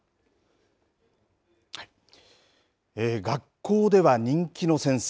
学校では人気の先生。